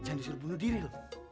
jangan disuruh bunuh diri loh